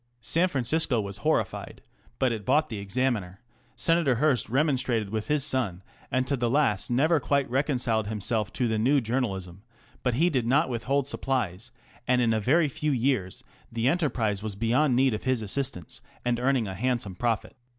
San Francisco was horrified, but it bought the Examiner ; Senator Hearst remonstrated with his son, and to the last never quite reconciled himself to the "new journalism," but he did not withhold supplies, and in a very few years the enterprise was beyond need of his assistance and earning a handsome profit.